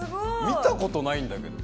見た事ないんだけど。